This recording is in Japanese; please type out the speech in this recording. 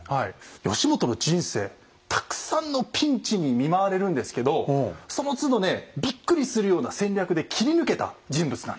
義元の人生たくさんのピンチに見舞われるんですけどそのつどねびっくりするような戦略で切り抜けた人物なんです。